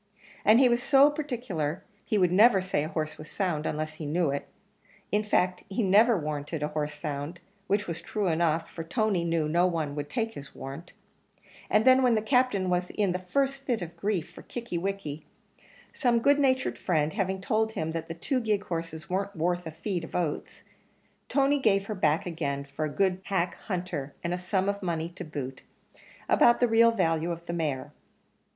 and he was so particular he would never say a horse was sound, unless he knew it; in fact, he never warranted a horse sound; which was true enough, for Tony knew no one would take his warrant; and then when the Captain was in the first fit of grief for Kickie wickie, some good natured friend having told him that the two gig horses weren't worth a feed of oats, Tony gave her back again for a good hack hunter, and a sum of money to boot, about the real value of the mare.